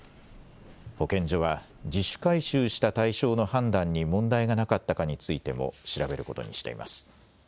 保健所は自主回収した対象の判断に問題がなかったかについても調べることにしています。